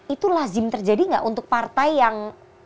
itu lazim terjadi nggak untuk partai yang